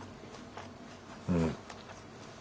うん。